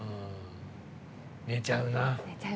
寝ちゃうな。